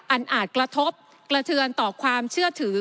อาจกระทบกระเทือนต่อความเชื่อถือ